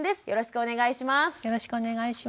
よろしくお願いします。